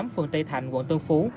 phường tây thành quận tân phú